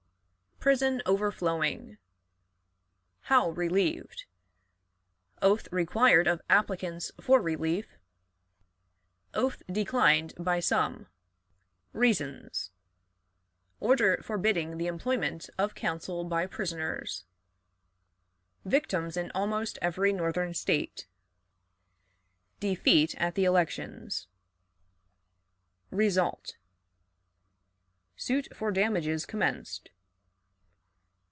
Prison overflowing. How relieved. Oath required of Applicants for Relief. Oath declined by some. Reasons. Order forbidding the Employment of Counsel by Prisoners. Victims in almost Every Northern State. Defeat at the Elections. Result. Suit for Damages commenced.